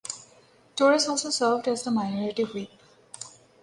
Torres also served as the Minority Whip.